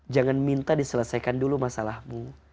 jangan minta diselesaikan dulu masalahmu